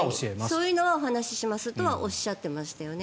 そういうのはお話ししますとおっしゃっていましたよね。